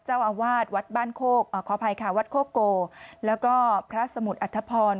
เจ้าอาวาสวัดบ้านโคกขออภัยค่ะวัดโคโกแล้วก็พระสมุทรอัธพร